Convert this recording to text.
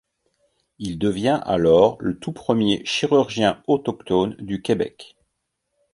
Il devient alors le tout premier chirurgien autochtone du Québec.